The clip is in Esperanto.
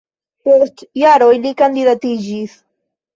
Post jaroj li kandidatiĝis.